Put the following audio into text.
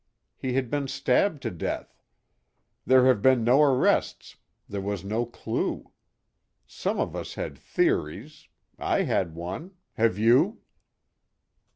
He had been stabbed to death. There have been no arrests; there was no clew. Some of us had 'theories.' I had one. Have you?"